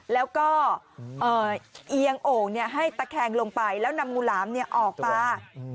แล้วก็เอียงโอ่งให้ตะแคงลงไปแล้วนำงูหลามออกมา